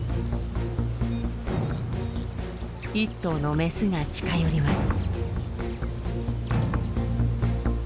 １頭のメスが近寄ります。